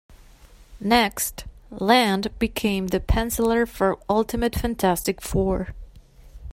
Next, Land became the penciler for "Ultimate Fantastic Four".